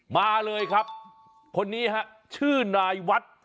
มาเลยครับคนนี้ฮะชื่อนายวัด